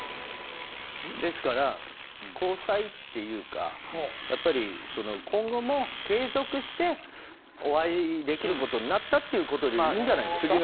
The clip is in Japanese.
ですから、交際っていうか今後も継続してお会いできることになったということでいいんじゃないんですか？